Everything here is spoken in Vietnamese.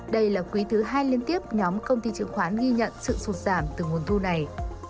đây là quý thứ hai liên tiếp nhóm công ty chứng khoán ghi nhận sự sụt giảm từ nguồn thu này